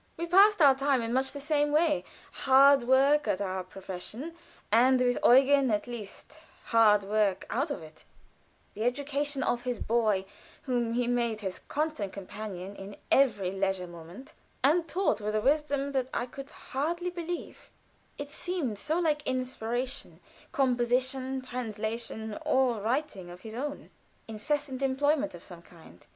We passed our time in much the same way hard work at our profession, and, with Eugen at least, hard work out of it; the education of his boy, whom he made his constant companion in every leisure moment, and taught, with a wisdom that I could hardly believe it seemed so like inspiration composition, translation, or writing of his own incessant employment of some kind.